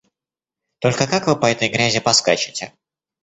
Только как вы по этой грязи поскачете?